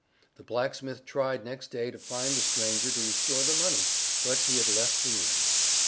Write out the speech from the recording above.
The blacksmith tried next day to find the stranger to restore the money, but he had left the inn.